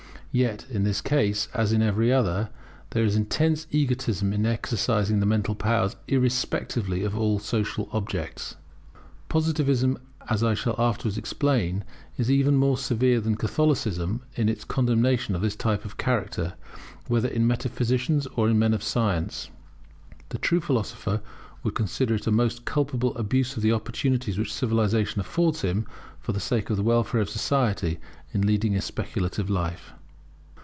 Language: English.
Yet, in this case, as in every other, there is intense egotism in exercising the mental powers irrespectively of all social objects. Positivism, as I shall afterwards explain, is even more severe than Catholicism in its condemnation of this type of character, whether in metaphysicians or in men of science. The true philosopher would consider it a most culpable abuse of the opportunities which civilization affords him for the sake of the welfare of society, in leading a speculative life.